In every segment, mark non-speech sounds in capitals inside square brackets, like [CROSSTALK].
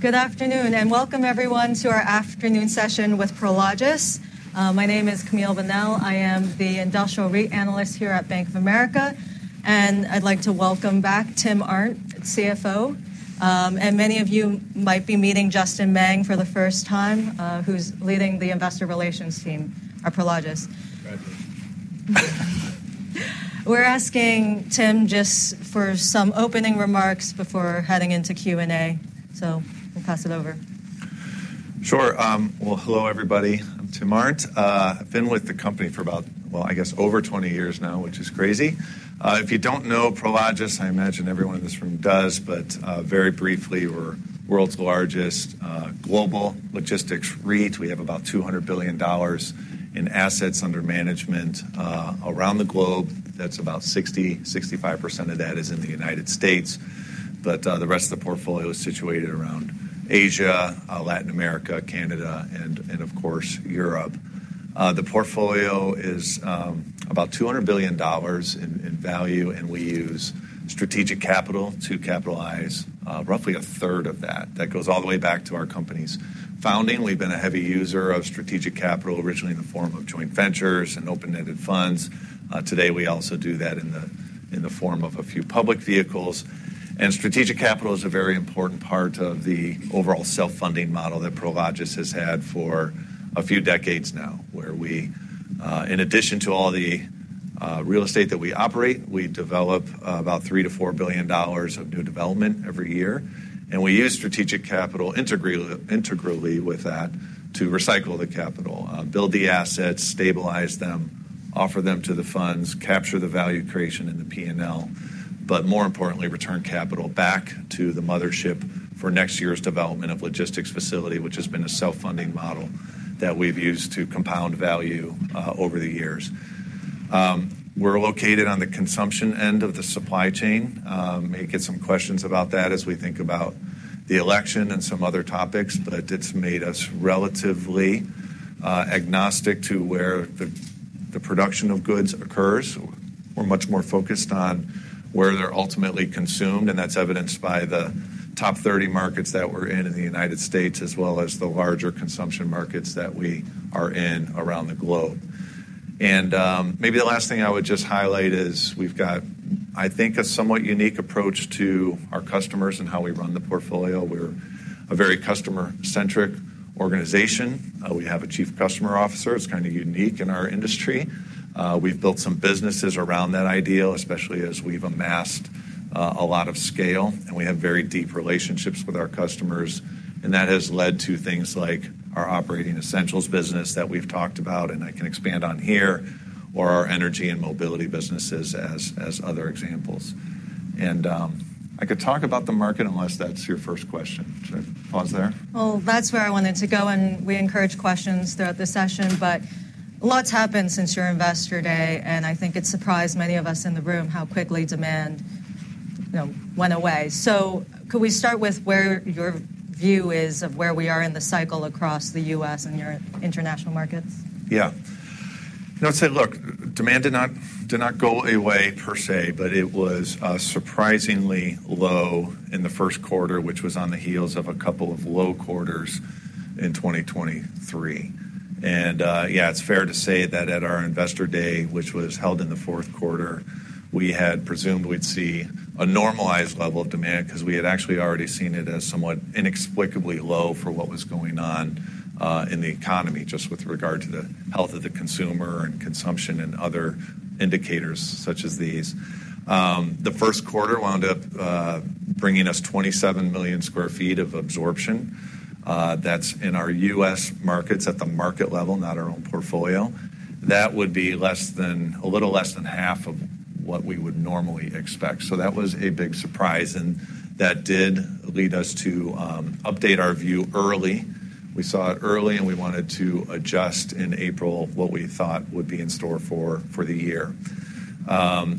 Good afternoon, and welcome everyone to our afternoon session with Prologis. My name is Camille Bonnel. I am the industrial REIT analyst here at Bank of America, and I'd like to welcome back Tim Arndt, CFO, and many of you might be meeting Justin Meng for the first time, who's leading the investor relations team at Prologis. Congratulations. We're asking Tim just for some opening remarks before heading into Q&A, so I'll pass it over. Sure. Well, hello, everybody. I'm Tim Arndt. I've been with the company for about, well, I guess, over twenty years now, which is crazy. If you don't know Prologis, I imagine everyone in this room does, but, very briefly, we're world's largest, global logistics REIT. We have about $200 billion in assets under management, around the globe. That's about 60-65% of that is in the United States, but, the rest of the portfolio is situated around Asia, Latin America, Canada, and, and of course, Europe. The portfolio is about $200 billion in value, and we use strategic capital to capitalize, roughly a third of that. That goes all the way back to our company's founding. We've been a heavy user of strategic capital, originally in the form of joint ventures and open-ended funds. Today, we also do that in the form of a few public vehicles, and strategic capital is a very important part of the overall self-funding model that Prologis has had for a few decades now, where we, in addition to all the real estate that we operate, we develop about $3-$4 billion of new development every year, and we use strategic capital integrally with that to recycle the capital, build the assets, stabilize them, offer them to the funds, capture the value creation in the P&L, but more importantly, return capital back to the mothership for next year's development of logistics facility, which has been a self-funding model that we've used to compound value over the years. We're located on the consumption end of the supply chain. May get some questions about that as we think about the election and some other topics, but it's made us relatively agnostic to where the production of goods occurs. We're much more focused on where they're ultimately consumed, and that's evidenced by the top 30 markets that we're in, in the United States, as well as the larger consumption markets that we are in around the globe, and maybe the last thing I would just highlight is we've got, I think, a somewhat unique approach to our customers and how we run the portfolio. We're a very customer-centric organization. We have a Chief Customer Officer. It's kind of unique in our industry. We've built some businesses around that ideal, especially as we've amassed a lot of scale, and we have very deep relationships with our customers, and that has led to things like our operating essentials business that we've talked about, and I can expand on here, or our energy and mobility businesses as other examples. And I could talk about the market, unless that's your first question. Should I pause there? That's where I wanted to go, and we encourage questions throughout the session, but a lot's happened since your Investor Day, and I think it surprised many of us in the room how quickly demand, you know, went away. Could we start with where your view is of where we are in the cycle across the U.S. and your international markets? Yeah. You know, I'd say, look, demand did not, did not go away per se, but it was surprisingly low in the first quarter, which was on the heels of a couple of low quarters in 2023. And yeah, it's fair to say that at our Investor Day, which was held in the fourth quarter, we had presumed we'd see a normalized level of demand, 'cause we had actually already seen it as somewhat inexplicably low for what was going on in the economy, just with regard to the health of the consumer and consumption and other indicators such as these. The first quarter wound up bringing us 27 million sq ft of absorption. That's in our U.S. markets at the market level, not our own portfolio. That would be less than a little less than half of what we would normally expect. So, that was a big surprise, and that did lead us to update our view early. We saw it early, and we wanted to adjust in April what we thought would be in store for the year.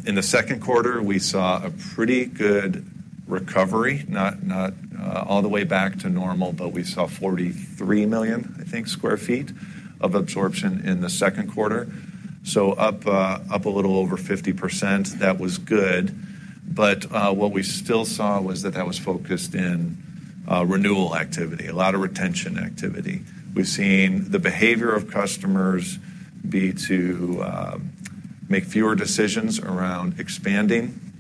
In the second quarter, we saw a pretty good recovery, not all the way back to normal, but we saw 43 million sq ft of absorption in the second quarter. So, up a little over 50%, that was good. But what we still saw was that that was focused in renewal activity, a lot of retention activity. We've seen the behavior of customers be to make fewer decisions around expanding,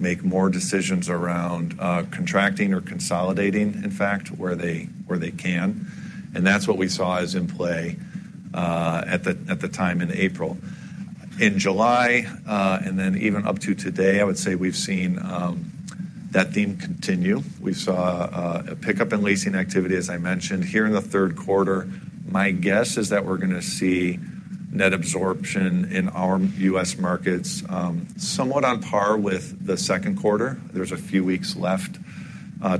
make more decisions around contracting or consolidating, in fact, where they can. And that's what we saw is in play at the time in April. In July, and then even up to today, I would say we've seen that theme continue. We saw a pickup in leasing activity, as I mentioned. Here in the third quarter, my guess is that we're gonna see net absorption in our US markets somewhat on par with the second quarter. There's a few weeks left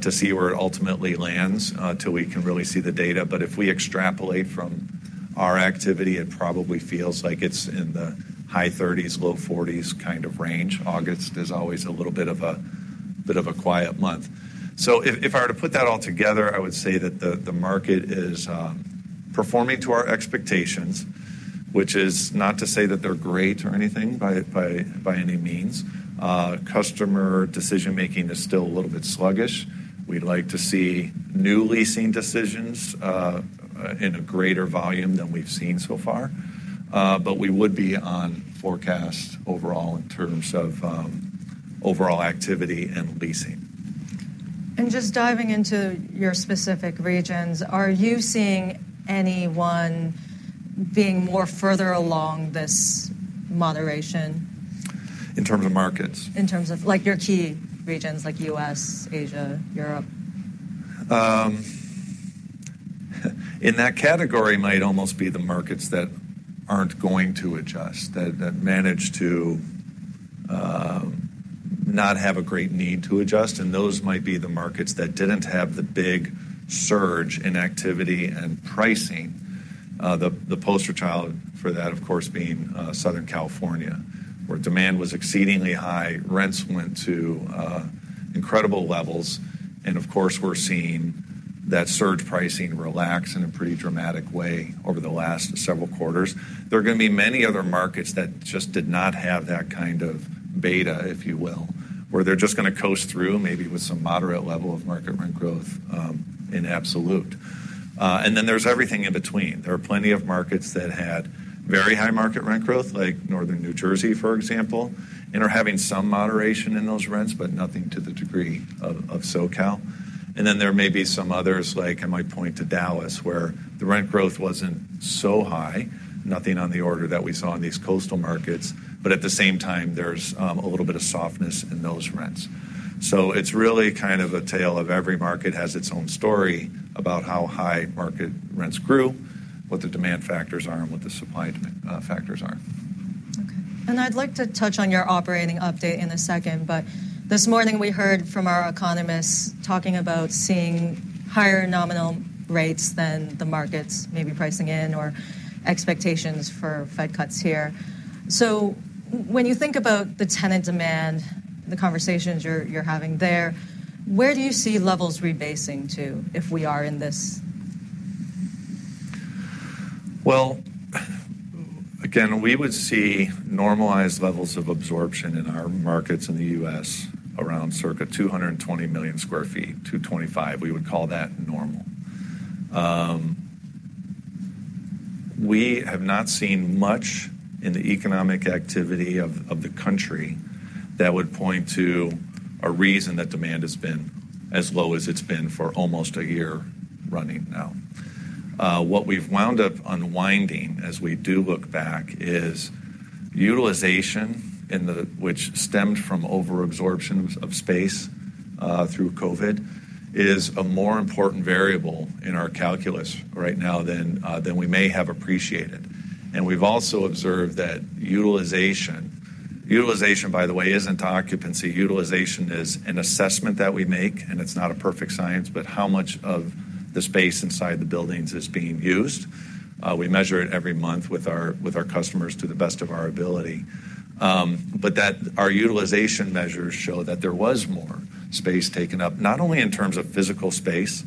to see where it ultimately lands till we can really see the data. But if we extrapolate from our activity, it probably feels like it's in the high thirties, low forties kind of range. August is always a little bit of a quiet month. So if I were to put that all together, I would say that the market is... performing to our expectations, which is not to say that they're great or anything by any means. Customer decision-making is still a little bit sluggish. We'd like to see new leasing decisions in a greater volume than we've seen so far. But we would be on forecast overall in terms of overall activity and leasing. Just diving into your specific regions, are you seeing anyone being more further along this moderation? In terms of markets? In terms of, like, your key regions, like U.S., Asia, Europe. In that category might almost be the markets that aren't going to adjust, that managed to not have a great need to adjust, and those might be the markets that didn't have the big surge in activity and pricing. The poster child for that, of course, being Southern California, where demand was exceedingly high, rents went to incredible levels, and of course, we're seeing that surge pricing relax in a pretty dramatic way over the last several quarters. There are gonna be many other markets that just did not have that kind of beta, if you will, where they're just gonna coast through, maybe with some moderate level of market rent growth in absolute. And then there's everything in between. There are plenty of markets that had very high market rent growth, like Northern New Jersey, for example, and are having some moderation in those rents, but nothing to the degree of, of SoCal. And then there may be some others, like I might point to Dallas, where the rent growth wasn't so high, nothing on the order that we saw in these coastal markets, but at the same time, there's a little bit of softness in those rents. So it's really kind of a tale of every market has its own story about how high market rents grew, what the demand factors are, and what the supply demand factors are. Okay. And I'd like to touch on your operating update in a second, but this morning we heard from our economists talking about seeing higher nominal rates than the markets maybe pricing in or expectations for Fed cuts here. So when you think about the tenant demand, the conversations you're having there, where do you see levels rebasing to, if we are in this? Well! again, we would see normalized levels of absorption in our markets in the U.S. around circa 220 million sq ft, 225. We would call that normal. We have not seen much in the economic activity of the country that would point to a reason that demand has been as low as it's been for almost a year running now. What we've wound up unwinding, as we do look back, is utilization, which stemmed from over absorption of space through COVID, is a more important variable in our calculus right now than we may have appreciated. We've also observed that utilization. Utilization, by the way, isn't occupancy. Utilization is an assessment that we make, and it's not a perfect science, but how much of the space inside the buildings is being used? We measure it every month with our, with our customers to the best of our ability. But that our utilization measures show that there was more space taken up, not only in terms of physical space,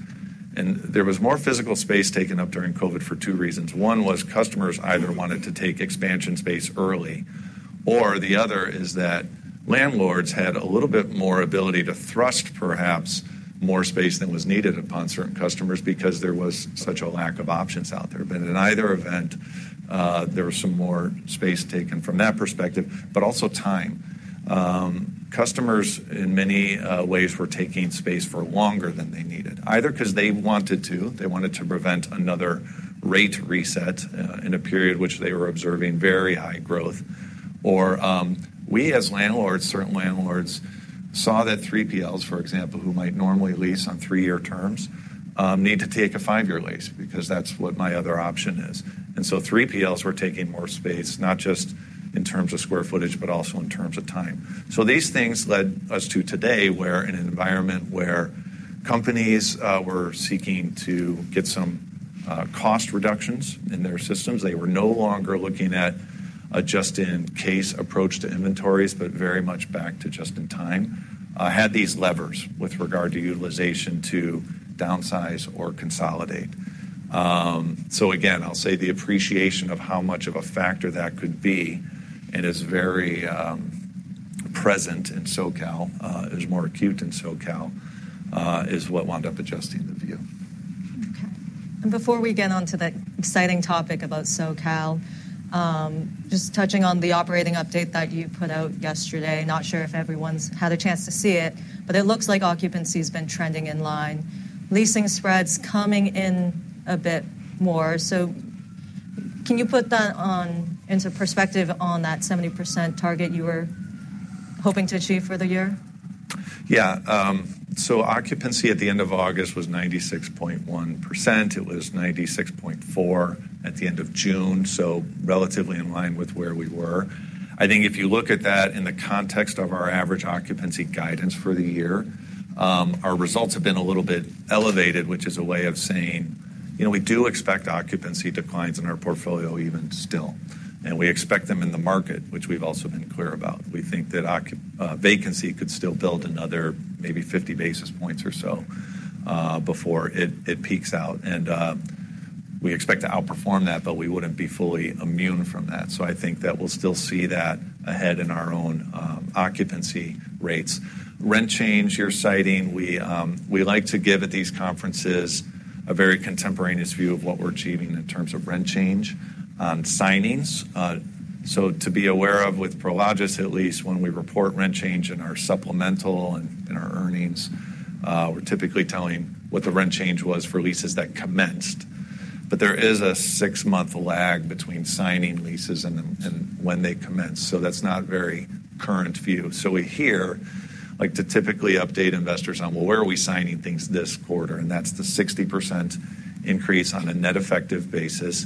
and there was more physical space taken up during COVID for two reasons. One was customers either wanted to take expansion space early, or the other is that landlords had a little bit more ability to thrust, perhaps, more space than was needed upon certain customers because there was such a lack of options out there. But in either event, there was some more space taken from that perspective, but also time. Customers, in many ways, were taking space for longer than they needed, either 'cause they wanted to, they wanted to prevent another rate reset, in a period which they were observing very high growth, or, we, as landlords, certain landlords, saw that 3PLs, for example, who might normally lease on three-year terms, need to take a five-year lease because that's what my other option is, and so 3PLs were taking more space, not just in terms of square footage, but also in terms of time, so these things led us to today, where in an environment where companies were seeking to get some cost reductions in their systems. They were no longer looking at a just-in-case approach to inventories, but very much back to just-in-time, had these levers with regard to utilization to downsize or consolidate. So again, I'll say the appreciation of how much of a factor that could be and is very present in SoCal is more acute in SoCal is what wound up adjusting the view. Before we get onto the exciting topic about SoCal, just touching on the operating update that you put out yesterday. Not sure if everyone's had a chance to see it, but it looks like occupancy has been trending in line. Leasing spreads coming in a bit more. So can you put that into perspective on that 70% target you were hoping to achieve for the year? Yeah, so occupancy at the end of August was 96.1%. It was 96.4% at the end of June, so relatively in line with where we were. I think if you look at that in the context of our average occupancy guidance for the year, our results have been a little bit elevated, which is a way of saying, you know, we do expect occupancy declines in our portfolio even still, and we expect them in the market, which we've also been clear about. We think that vacancy could still build another maybe 50 basis points or so, before it peaks out, and we expect to outperform that, but we wouldn't be fully immune from that. So I think that we'll still see that ahead in our own occupancy rates. Rent change you're citing, we like to give at these conferences a very contemporaneous view of what we're achieving in terms of rent change, signings. So to be aware of, with Prologis, at least, when we report rent change in our supplemental and in our earnings, we're typically telling what the rent change was for leases that commenced. But there is a six-month lag between signing leases and when they commence, so that's not very current view. We like to typically update investors on where we are signing things this quarter. That's the 60% increase on a net effective basis.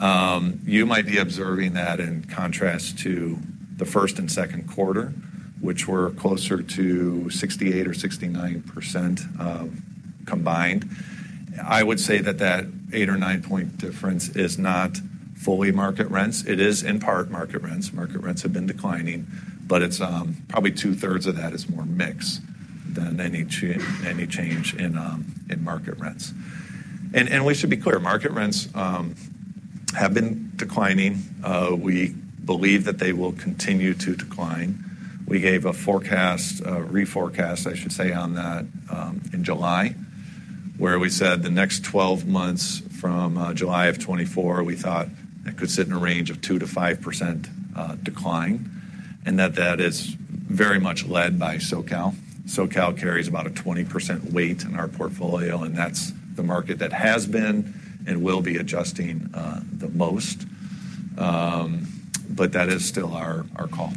You might be observing that in contrast to the first and second quarter, which were closer to 68% or 69%, combined. I would say that that eight or nine point difference is not fully market rents. It is in part market rents. Market rents have been declining, but it's probably two-thirds of that is more mix than any any change in in market rents. And and we should be clear, market rents have been declining. We believe that they will continue to decline. We gave a forecast, a reforecast, I should say, on that in July, where we said the next 12 months from July of 2024, we thought it could sit in a range of 2% to 5% decline, and that that is very much led by SoCal. SoCal carries about a 20% weight in our portfolio, and that's the market that has been and will be adjusting the most. But that is still our our call.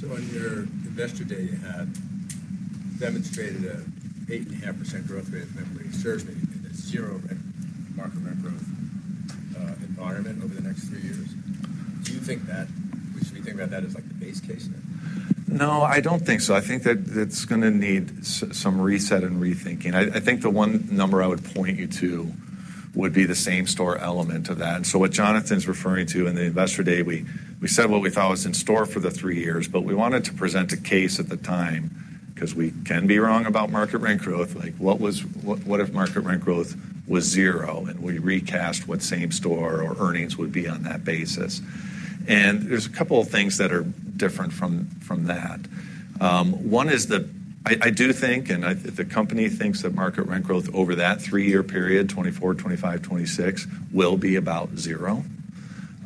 So on your Investor Day, you had demonstrated an 8.5% growth rate of same-store NOI and a zero percent market rent growth environment over the next three years. Do you think that we should think about that as, like, the base case now? No, I don't think so. I think that it's gonna need some reset and rethinking. I think the one number I would point you to would be the same store element of that. So what Jonathan's referring to in the Investor Day, we said what we thought was in store for the three years, but we wanted to present a case at the time, 'cause we can be wrong about market rent growth. Like, what if market rent growth was zero, and we recast what same store or earnings would be on that basis? And there's a couple of things that are different from that. One is that I do think, and the company thinks that market rent growth over that three-year period, 2024, 2025, 2026, will be about zero,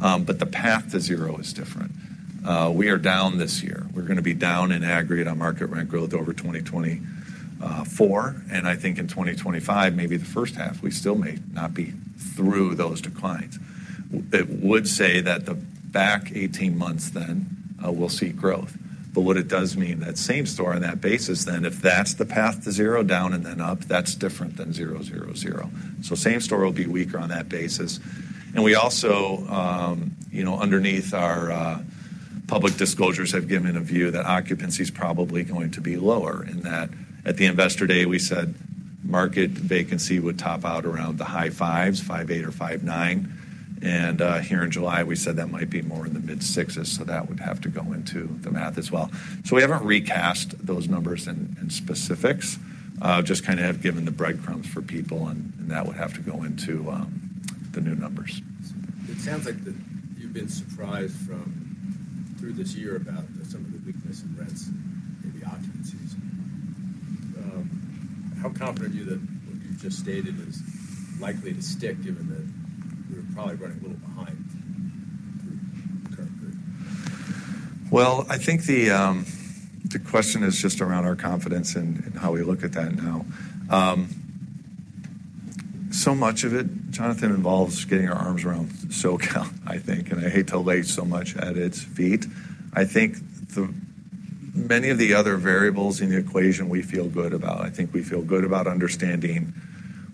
but the path to zero is different. We are down this year. We're gonna be down in aggregate on market rent growth over 2024, and I think in 2025, maybe the first half, we still may not be through those declines. What it would say that the back 18 months then will see growth. But what it does mean, that same store on that basis, then, if that's the path to zero down and then up, that's different than zero, zero, zero. So same store will be weaker on that basis. And we also, you know, underneath our public disclosures, have given a view that occupancy is probably going to be lower, and that at the Investor Day, we said market vacancy would top out around the high 50s, 5.8% or 5.9%. Here in July, we said that might be more in the mid-sixes, so that would have to go into the math as well. We haven't recast those numbers and specifics, just kind of have given the breadcrumbs for people, and that would have to go into the new numbers. It sounds like that you've been surprised from through this year about some of the weakness in rents, maybe occupancies. How confident are you that what you just stated is likely to stick, given that you're probably running a little behind currently? I think the question is just around our confidence and how we look at that now. So much of it, Jonathan, involves getting our arms around SoCal, I think, and I hate to lay so much at its feet. I think many of the other variables in the equation we feel good about. I think we feel good about understanding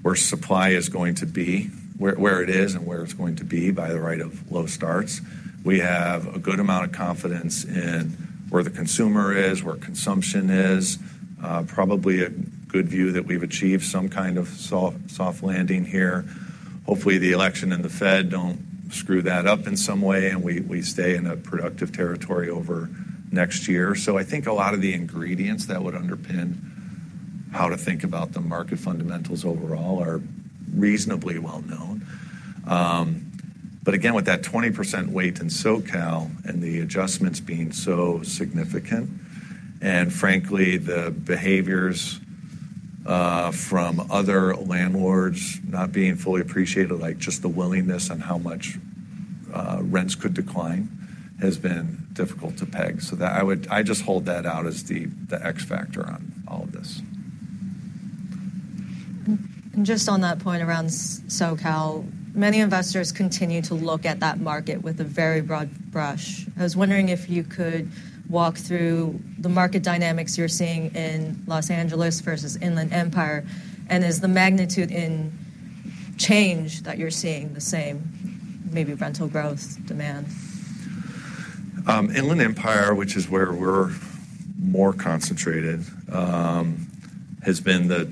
where supply is going to be, where it is, and where it's going to be by the rate of low starts. We have a good amount of confidence in where the consumer is, where consumption is, probably a good view that we've achieved some kind of soft landing here. Hopefully, the election and the Fed don't screw that up in some way, and we stay in a productive territory over next year. So I think a lot of the ingredients that would underpin how to think about the market fundamentals overall are reasonably well known. But again, with that 20% weight in SoCal and the adjustments being so significant, and frankly, the behaviors from other landlords not being fully appreciated, like just the willingness on how much rents could decline, has been difficult to peg. So that, I just hold that out as the X factor on all of this. Just on that point around SoCal, many investors continue to look at that market with a very broad brush. I was wondering if you could walk through the market dynamics you're seeing in Los Angeles versus Inland Empire, and is the magnitude in change that you're seeing the same, maybe rental growth, demand? Inland Empire, which is where we're more concentrated, has been the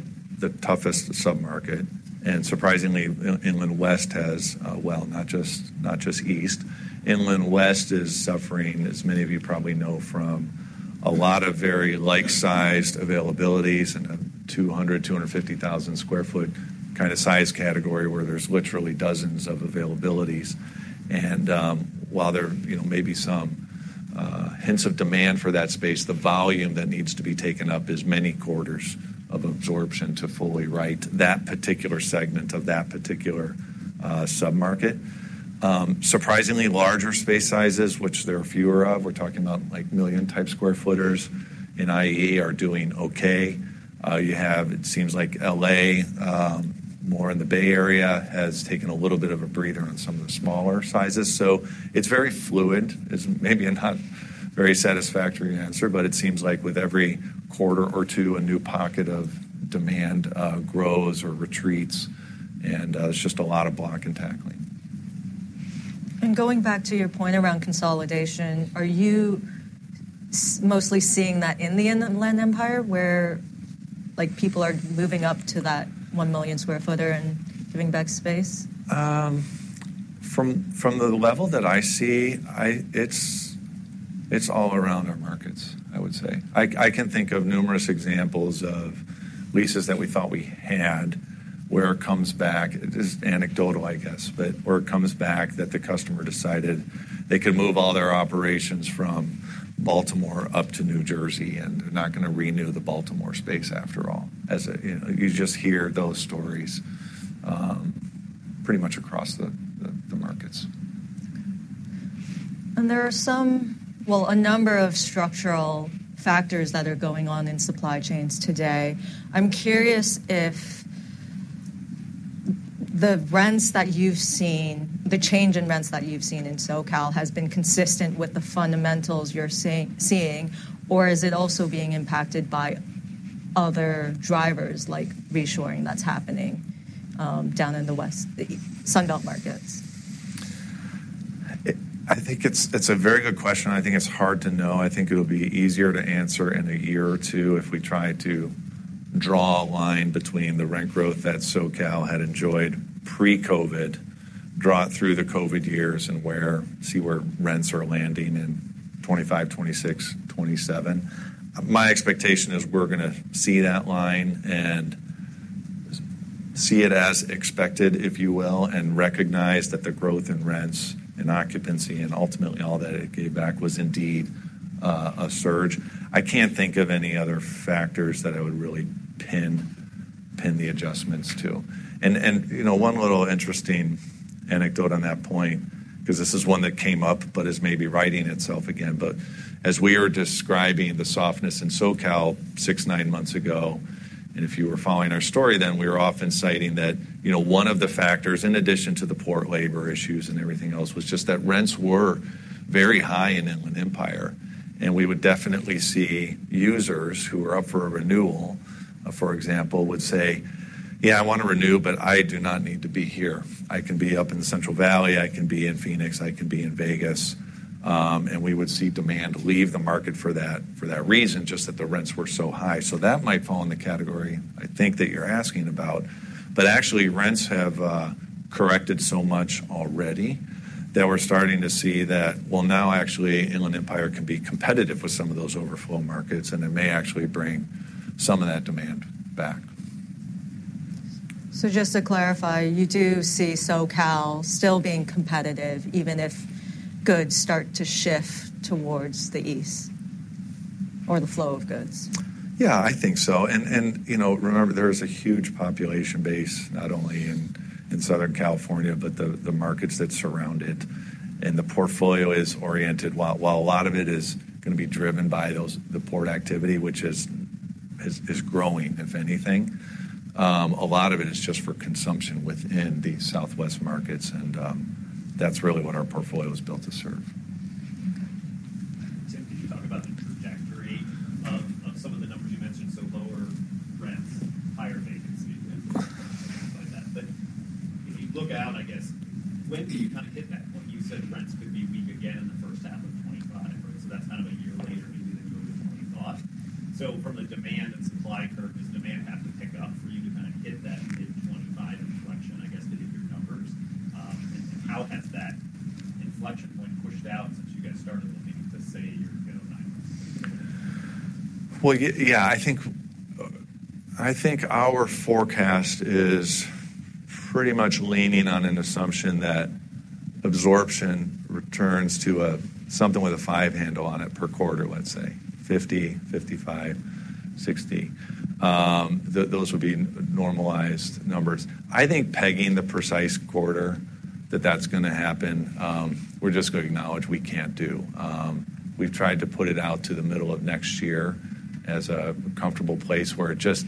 toughest submarket, and surprisingly, Inland West has, well, not just East. Inland West is suffering, as many of you probably know, from a lot of very like-sized availabilities and 250,000 sq ft kind of size category, where there's literally dozens of availabilities. And while there, you know, may be some hints of demand for that space, the volume that needs to be taken up is many quarters of absorption to fully right that particular segment of that particular submarket. Surprisingly, larger space sizes, which there are fewer of, we're talking about, like, million-type sq ft in IE, are doing okay. It seems like LA, more in the Bay Area, has taken a little bit of a breather on some of the smaller sizes. So it's very fluid. It's maybe not a very satisfactory answer, but it seems like with every quarter or two, a new pocket of demand grows or retreats, and it's just a lot of block and tackling. Going back to your point around consolidation, are you mostly seeing that in the Inland Empire, where, like, people are moving up to that one million square footers and giving back space? From the level that I see, it's all around our markets, I would say. I can think of numerous examples of leases that we thought we had, where it comes back. It's anecdotal, I guess, but where it comes back that the customer decided they could move all their operations from Baltimore up to New Jersey, and they're not going to renew the Baltimore space after all. As a, you know, you just hear those stories pretty much across the markets. There are a number of structural factors that are going on in supply chains today. I'm curious if the rents that you've seen, the change in rents that you've seen in SoCal, has been consistent with the fundamentals you're seeing, or is it also being impacted by other drivers, like reshoring, that's happening down in the West, the Sun Belt markets? I think it's a very good question. I think it's hard to know. I think it'll be easier to answer in a year or two if we try to draw a line between the rent growth that SoCal had enjoyed pre-COVID, draw it through the COVID years, and where rents are landing in 2025, 2026, 2027. My expectation is we're gonna see that line and see it as expected, if you will, and recognize that the growth in rents and occupancy and ultimately all that it gave back was indeed a surge. I can't think of any other factors that I would really pin the adjustments to, and you know, one little interesting anecdote on that point, because this is one that came up but is maybe righting itself again. But as we are describing the softness in SoCal six, nine months ago, and if you were following our story then, we were often citing that, you know, one of the factors, in addition to the port labor issues and everything else, was just that rents were very high in Inland Empire, and we would definitely see users who were up for a renewal, for example, would say, "Yeah, I want to renew, but I do not need to be here. I can be up in the Central Valley. I can be in Phoenix. I can be in Vegas." And we would see demand leave the market for that, for that reason, just that the rents were so high. So that might fall in the category I think that you are asking about. But actually, rents have corrected so much already that we're starting to see that, well, now, actually, Inland Empire can be competitive with some of those overflow markets, and it may actually bring some of that demand back. So just to clarify, you do see SoCal still being competitive, even if goods start to shift towards the east or the flow of goods? Yeah, I think so. And you know, remember, there is a huge population base, not only in Southern California, but the markets that surround it. And the portfolio is oriented, while a lot of it is gonna be driven by those, the port activity, which is growing, if anything, a lot of it is just for consumption within the Southwest markets, and that's really what our portfolio is built to serve. Okay. Tim, can you talk about the trajectory of some of the numbers you mentioned, so lower rents, higher vacancy, things like that. But if you look out, I guess, when do you kind of hit that point? You said rents could be weak again in the first half of twenty-five, right? So that's kind of a year later than you originally thought. So from a demand and supply curve, does demand have to pick up for you to kind of hit that mid-twenty-five inflection, I guess, to hit your numbers? And how has that inflection point pushed out since you guys started looking to, say, year nine? Yeah, I think our forecast is pretty much leaning on an assumption that absorption returns to something with a five handle on it per quarter, let's say 50, 55, 60. Those would be normalized numbers. I think pegging the precise quarter that that's gonna happen, we're just gonna acknowledge we can't do. We've tried to put it out to the middle of next year as a comfortable place where it just...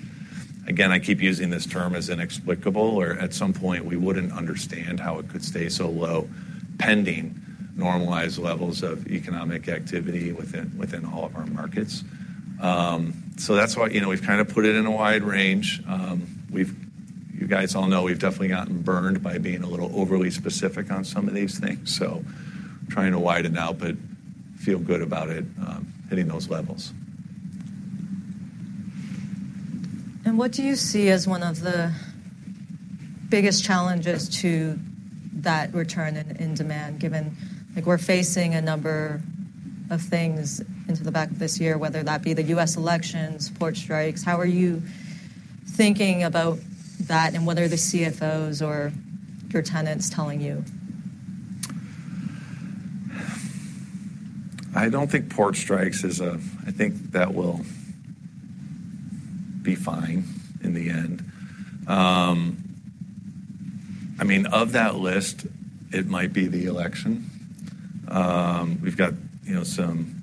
Again, I keep using this term as inexplicable, or at some point, we wouldn't understand how it could stay so low, pending normalized levels of economic activity within all of our markets. So that's why, you know, we've kind of put it in a wide range. You guys all know we've definitely gotten burned by being a little overly specific on some of these things, so trying to widen out but feel good about it, hitting those levels. What do you see as one of the biggest challenges to that return in demand, given, like, we're facing a number of things into the back of this year, whether that be the U.S. elections, port strikes? How are you thinking about that, and what are the CFOs or your tenants telling you? I don't think port strikes is a-- I think that will be fine in the end. I mean, of that list, it might be the election. We've got, you know, some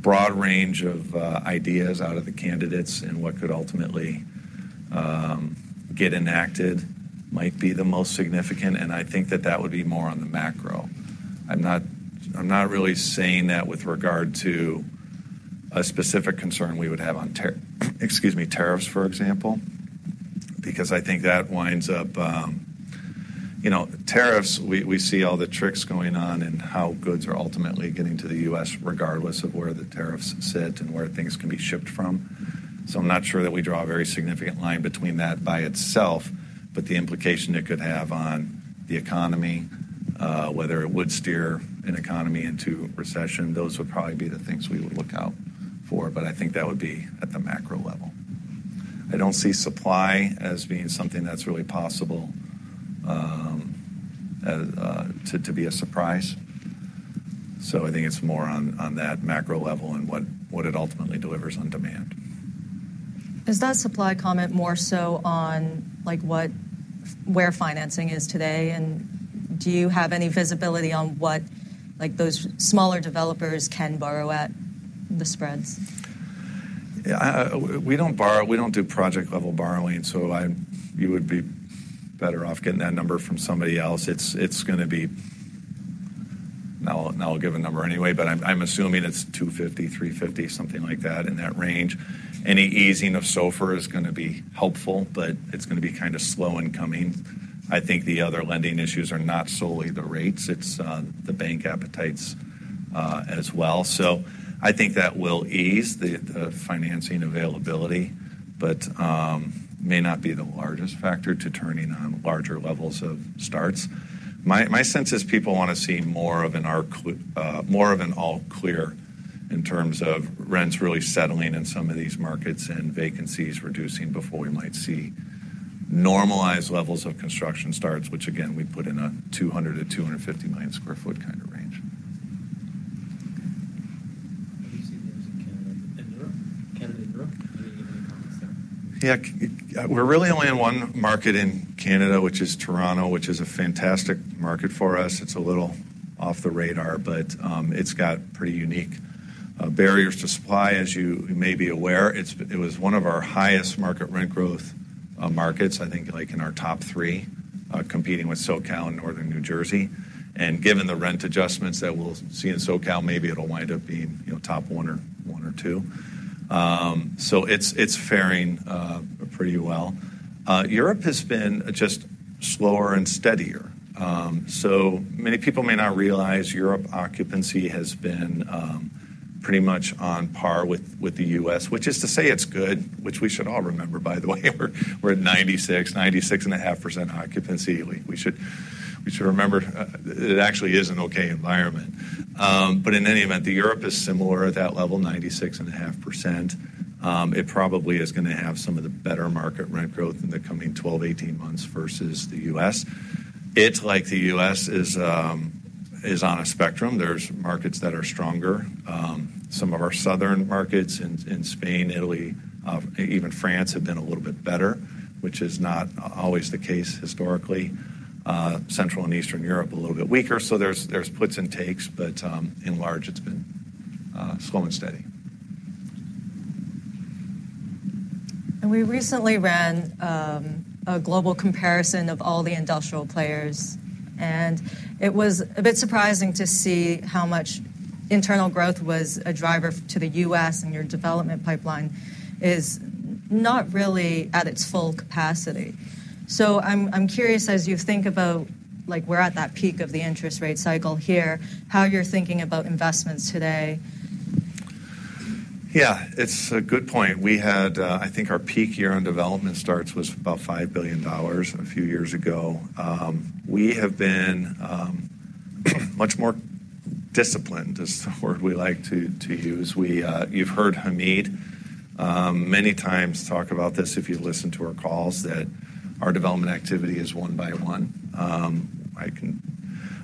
broad range of, ideas out of the candidates, and what could ultimately, get enacted might be the most significant, and I think that that would be more on the macro. I'm not, I'm not really saying that with regard to a specific concern we would have on tar-- excuse me, tariffs, for example, because I think that winds up... You know, tariffs, we, we see all the tricks going on and how goods are ultimately getting to the U.S., regardless of where the tariffs sit and where things can be shipped from. So I'm not sure that we draw a very significant line between that by itself, but the implication it could have on the economy, whether it would steer an economy into recession, those would probably be the things we would look out for, but I think that would be at the macro level. I don't see supply as being something that's really possible to be a surprise. So I think it's more on that macro level and what it ultimately delivers on demand. Is that supply comment more so on, like, where financing is today? And do you have any visibility on what, like, those smaller developers can borrow at the spreads? Yeah, we don't borrow. We don't do project-level borrowing, so you would be better off getting that number from somebody else. It's, it's gonna be. And I'll give a number anyway, but I'm assuming it's two fifty, three fifty, something like that, in that range. Any easing of SOFR is gonna be helpful, but it's gonna be kind of slow in coming. I think the other lending issues are not solely the rates. It's the bank appetites as well. So I think that will ease the financing availability, but may not be the largest factor to turning on larger levels of starts. My, my sense is people want to see more of an all clear in terms of rents really settling in some of these markets and vacancies reducing before we might see normalized levels of construction starts, which again, we put in a 200-250 million sq ft kind of range. Have you seen those in Canada and Europe? Canada and Europe, do you have any comments there? Yeah. We're really only in one market in Canada, which is Toronto, which is a fantastic market for us. It's a little off the radar, but it's got pretty unique barriers to supply, as you may be aware. It was one of our highest market rent growth markets, I think, like in our top three, competing with SoCal and Northern New Jersey. And given the rent adjustments that we'll see in SoCal, maybe it'll wind up being, you know, top one or two. So it's faring pretty well. Europe has been just slower and steadier. So many people may not realize Europe occupancy has been pretty much on par with the US, which is to say it's good, which we should all remember, by the way, we're at 96, 96.5% occupancy. We should remember, it actually is an okay environment. But in any event, Europe is similar at that level, 96.5%. It probably is gonna have some of the better market rent growth in the coming twelve to eighteen months versus the US. It, like the US, is on a spectrum. There's markets that are stronger. Some of our southern markets in Spain, Italy, even France, have been a little bit better, which is not always the case historically. Central and Eastern Europe, a little bit weaker, so there's puts and takes, but by and large, it's been slow and steady. We recently ran a global comparison of all the industrial players, and it was a bit surprising to see how much internal growth was a driver to the US, and your development pipeline is not really at its full capacity. So, I'm curious, as you think about, like, we're at that peak of the interest rate cycle here, how you're thinking about investments today? Yeah, it's a good point. We had, I think our peak year on development starts was about $5 billion a few years ago. We have been much more disciplined, is the word we like to use. You've heard Hamid many times talk about this, if you've listened to our calls, that our development activity is one by one. I can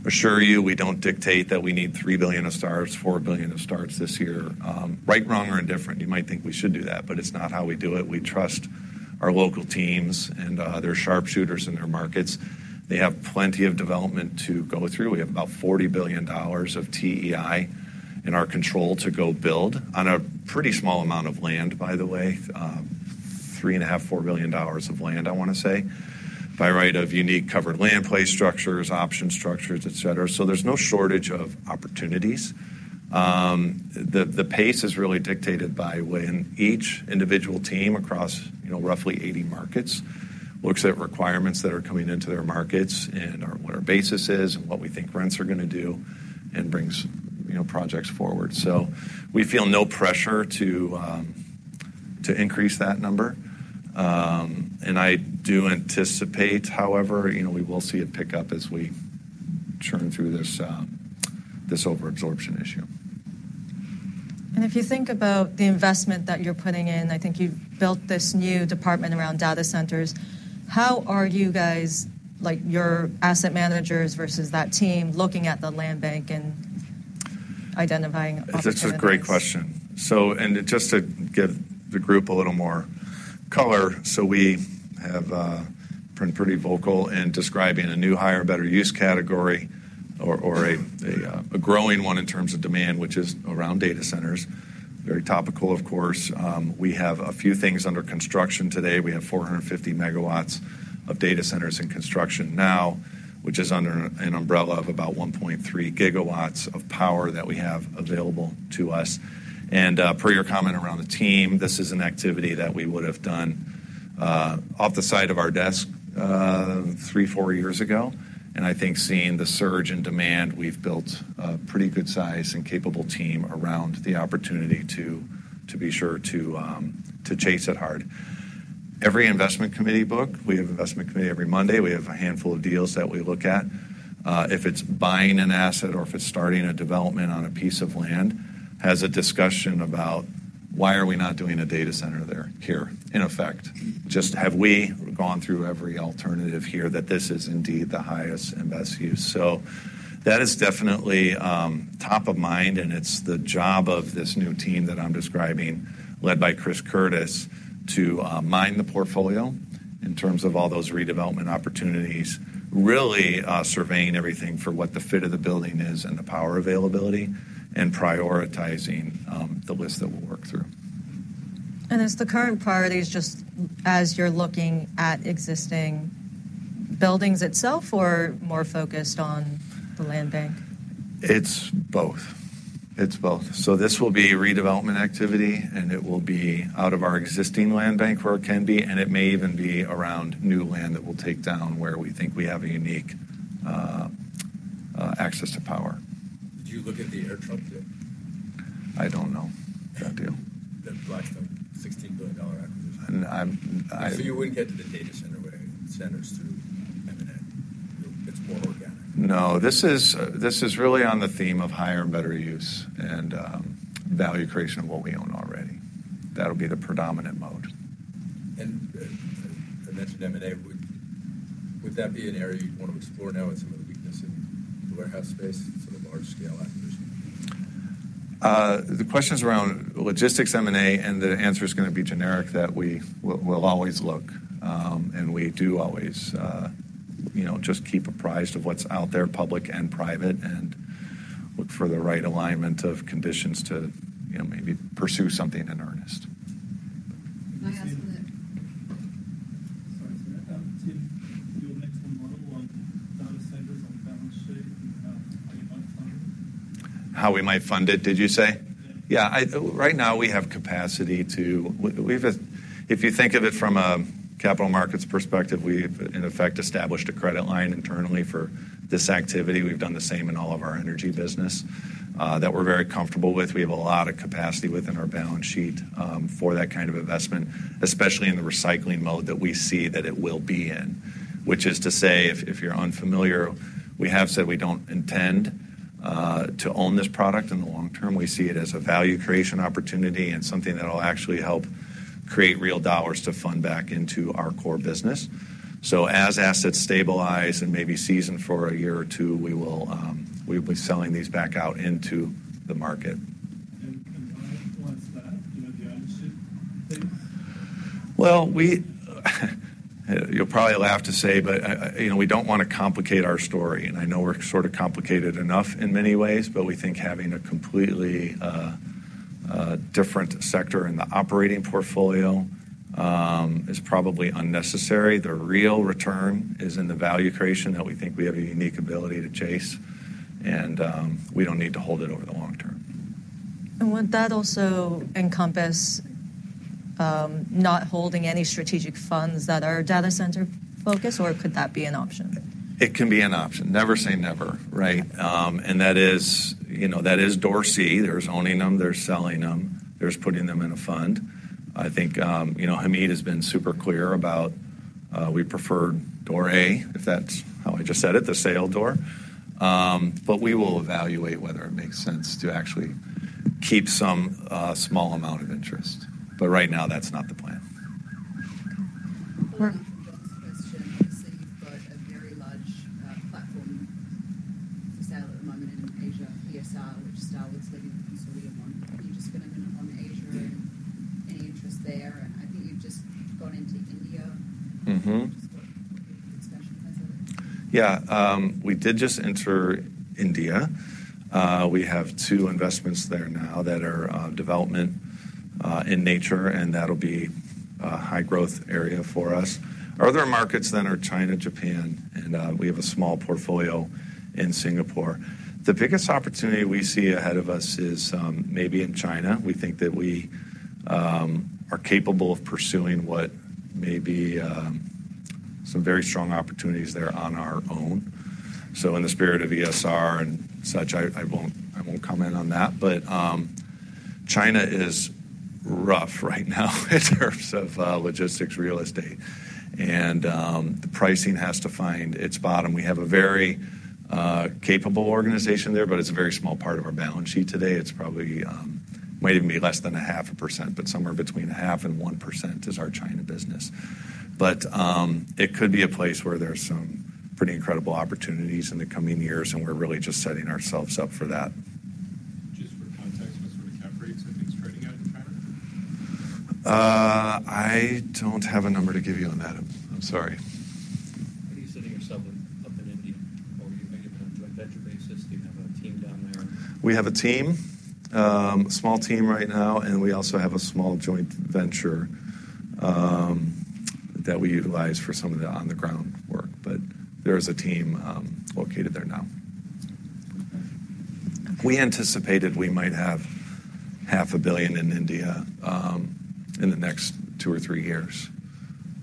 assure you, we don't dictate that we need $3 billion of starts, $4 billion of starts this year, right, wrong, or indifferent. You might think we should do that, but it's not how we do it. We trust our local teams, and they're sharpshooters in their markets. They have plenty of development to go through. We have about $40 billion of TEI in our control to go build on a pretty small amount of land, by the way, $3.5-$4 billion of land, I want to say. By virtue of unique covered land play structures, option structures, et cetera. So there's no shortage of opportunities. The pace is really dictated by when each individual team across, you know, roughly 80 markets, looks at requirements that are coming into their markets and, or what our basis is and what we think rents are gonna do, and brings, you know, projects forward. So we feel no pressure to increase that number, and I do anticipate, however, you know, we will see it pick up as we churn through this overabsorption issue. If you think about the investment that you're putting in, I think you've built this new department around data centers. How are you guys, like, your asset managers versus that team, looking at the land bank and identifying opportunities? It's a great question. So and just to give the group a little more color, so we have been pretty vocal in describing a new, higher, better use category or, or a, a, a growing one in terms of demand, which is around data centers. Very topical, of course. We have a few things under construction today. We have 450 megawatts of data centers in construction now, which is under an umbrella of about 1.3 gigawatts of power that we have available to us. And per your comment around the team, this is an activity that we would have done off the side of our desk three, four years ago. I think seeing the surge in demand, we've built a pretty good size and capable team around the opportunity to be sure to chase it hard. Every investment committee book, we have investment committee every Monday, we have a handful of deals that we look at. If it's buying an asset or if it's starting a development on a piece of land, has a discussion about: Why are we not doing a data center there, here, in effect? Just have we gone through every alternative here, that this is indeed the highest and best use. So that is definitely top of mind, and it's the job of this new team that I'm describing, led by Chris Curtis, to mine the portfolio in terms of all those redevelopment opportunities, really surveying everything for what the fit of the building is and the power availability, and prioritizing the list that we'll work through. Is the current priority just as you're looking at existing buildings itself, or more focused on the land bank? It's both. It's both. So this will be redevelopment activity, and it will be out of our existing land bank, where it can be, and it may even be around new land that we'll take down, where we think we have a unique access to power. Did you look at the AirTrunk deal? I don't know that deal. The Blackstone $16 billion acquisition. I'm So you wouldn't get to the data centers through M&A. It's more organic. No, this is, this is really on the theme of higher and better use and value creation of what we own already. That'll be the predominant mode. I mentioned M&A. Would that be an area you'd want to explore now with some of the weakness in the warehouse space, some of large-scale acquisitions? The question is around logistics M&A, and the answer is going to be generic, that we will always look, and we do always, you know, just keep apprised of what's out there, public and private, and look for the right alignment of conditions to, you know, maybe pursue something in earnest. May I ask the next- Sorry. Tim, your next one model on data centers on the balance sheet, and how you might fund it? How we might fund it, did you say? Yeah, right now, we have capacity to. We've, if you think of it from a capital markets perspective, we've, in effect, established a credit line internally for this activity. We've done the same in all of our energy business, that we're very comfortable with. We have a lot of capacity within our balance sheet, for that kind of investment, especially in the recycling mode that we see that it will be in. Which is to say, if you're unfamiliar, we have said we don't intend, to own this product in the long term. We see it as a value creation opportunity and something that will actually help create real dollars to fund back into our core business. So as assets stabilize and maybe season for a year or two, we will, we'll be selling these back out into the market. Why was that? Do you have the ownership thing? Well! we, you'll probably laugh to say, but, you know, we don't want to complicate our story, and I know we're sort of complicated enough in many ways, but we think having a completely different sector in the operating portfolio is probably unnecessary. The real return is in the value creation that we think we have a unique ability to chase, and we don't need to hold it over the long term. Would that also encompass not holding any strategic funds that are data center focused, or could that be an option? It can be an option. Never say never, right, and that is, you know, that is door C. There's owning them, there's selling them, there's putting them in a fund. I think, you know, Hamid has been super clear about. We prefer door A, if that's how I just said it, the sale door, but we will evaluate whether it makes sense to actually keep some small amount of interest, but right now, that's not the plan. Mark- Follow on from John's question, so you've got a very large platform for sale at the moment in Asia, ESR, which Starwood's leading the consortium on. Are you just going to focus on Asia, any interest there? And I think you've just gone into India. Mm-hmm. [INAUDIBLE] Yeah, we did just enter India. We have two investments there now that are development in nature, and that'll be a high-growth area for us. Our other markets then are China, Japan, and we have a small portfolio in Singapore. The biggest opportunity we see ahead of us is maybe in China. We think that we are capable of pursuing what may be some very strong opportunities there on our own. So in the spirit of ESR and such, I won't comment on that. But China is rough right now in terms of logistics real estate, and the pricing has to find its bottom. We have a very capable organization there, but it's a very small part of our balance sheet today. It's probably might even be less than 0.5%, but somewhere between 0.5% and 1% is our China business. But it could be a place where there are some pretty incredible opportunities in the coming years, and we're really just setting ourselves up for that. Just for context, what sort of cap rates are things trading at in China? I don't have a number to give you on that, I'm sorry. How are you setting yourself up, up in India? Or are you making a joint venture basis? Do you have a team down there? We have a team, a small team right now, and we also have a small joint venture, that we utilize for some of the on-the-ground work. But there is a team, located there now. We anticipated we might have $500 million in India, in the next two or three years.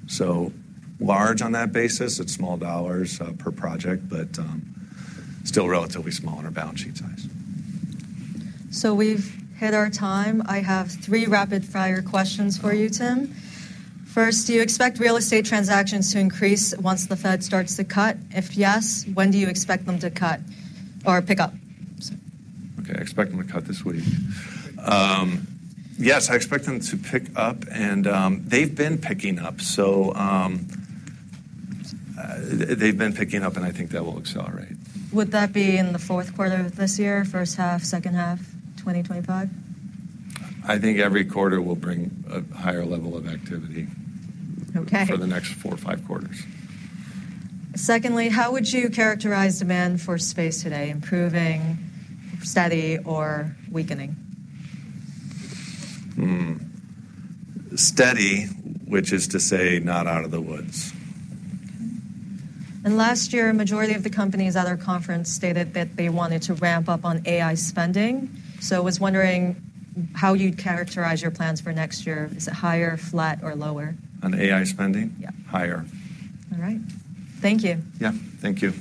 So large on that basis, it's small dollars, per project, but, still relatively small on our balance sheet size. We've hit our time. I have three rapid-fire questions for you, Tim. First, do you expect real estate transactions to increase once the Fed starts to cut? If yes, when do you expect them to cut or pick up? Okay, I expect them to cut this week. Yes, I expect them to pick up, and they've been picking up, and I think that will accelerate. Would that be in the fourth quarter of this year, first half, second half, twenty twenty-five? I think every quarter will bring a higher level of activity- Okay for the next four or five quarters. Secondly, how would you characterize demand for space today? Improving, steady, or weakening? Hmm. Steady, which is to say, not out of the woods. Okay. And last year, a majority of the companies at our conference stated that they wanted to ramp up on AI spending. So I was wondering how you'd characterize your plans for next year. Is it higher, flat, or lower? On AI spending? Yeah. Higher. All right. Thank you. Yeah, thank you.